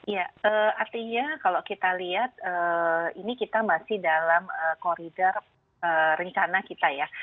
ya artinya kalau kita lihat ini kita masih dalam koridor rencana kita ya